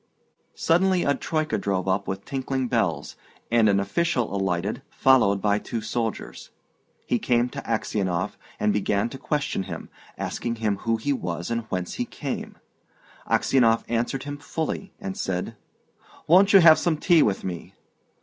Suddenly a troika drove up with tinkling bells and an official alighted, followed by two soldiers. He came to Aksionov and began to question him, asking him who he was and whence he came. Aksionov answered him fully, and said, "Won't you have some tea with me?"